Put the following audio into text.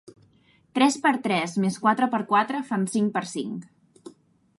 Tres per tres més quatre per quatre fan cinc per cinc.